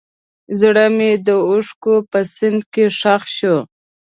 زړه مې د اوښکو په سیند کې ښخ شو.